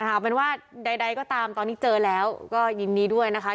เอาเป็นว่าใดก็ตามตอนนี้เจอแล้วก็ยินดีด้วยนะคะ